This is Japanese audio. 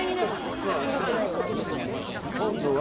いいことだと思いますよ。